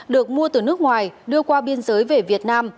được mua từ nước ngoài đưa qua biên giới về việt nam